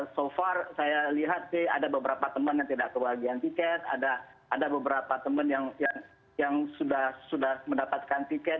so far saya lihat sih ada beberapa teman yang tidak kebahagiaan tiket ada beberapa teman yang sudah mendapatkan tiket